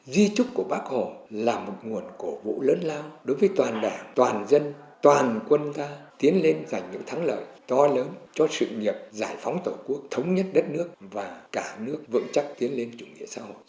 di trúc của bác hồ là một nguồn cổ vũ lớn lao đối với toàn đảng toàn dân toàn quân ta tiến lên giành những thắng lợi to lớn cho sự nghiệp giải phóng tổ quốc thống nhất đất nước và cả nước vững chắc tiến lên chủ nghĩa xã hội